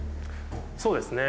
そうですね。